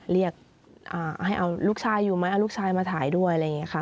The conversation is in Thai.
เรียกให้เอาลูกชายอยู่ไหมเอาลูกชายมาถ่ายด้วยอะไรอย่างนี้ค่ะ